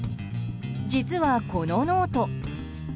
実はこのノート。